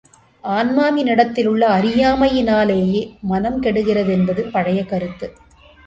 ஆன்மாவினிடத்திலுள்ள அறியாமையினாலேயே மனம் கெடுகிறது என்பது பழைய கருத்து.